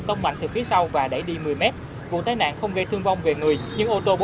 tông mạnh từ phía sau và đẩy đi một mươi m vụ tai nạn không gây thương vong về người nhưng ô tô